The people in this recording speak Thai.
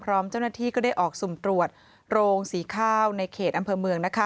พร้อมเจ้าหน้าที่ก็ได้ออกสุ่มตรวจโรงสีข้าวในเขตอำเภอเมือง